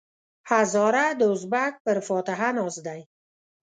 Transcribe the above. هزاره د ازبک پر فاتحه ناست دی.